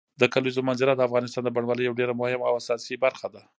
د کلیزو منظره د افغانستان د بڼوالۍ یوه ډېره مهمه او اساسي برخه ده.